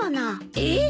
えっ！？